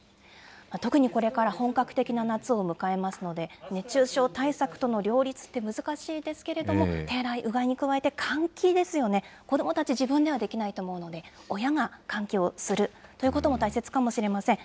特にこれから本格的な夏を迎えますので、熱中症対策との両立は難しいですけれども、手洗い、うがいに加えて換気ですよね、子どもたち、自分ではできないと思うので、親が換気をするということも大切かもしれません。